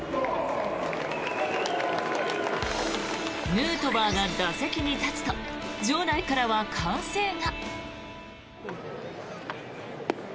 ヌートバーが打席に立つと場内からは歓声が。